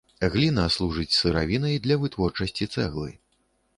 Гліна служыць сыравінай для вытворчасці цэглы.